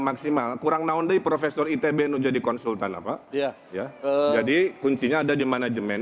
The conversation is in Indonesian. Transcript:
maksimal kurang naon dari profesor itb menjadi konsultan apa ya jadi kuncinya ada di manajemen